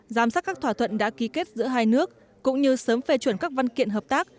giám sát các thỏa thuận đã ký kết giữa hai nước cũng như sớm phê chuẩn các văn kiện hợp tác